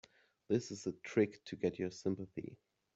This is a trick to get your sympathy.